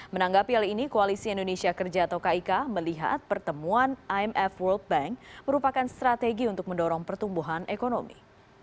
menanggapi hal ini koalisi indonesia kerja atau kik melihat pertemuan imf world bank merupakan strategi untuk mendorong pertumbuhan ekonomi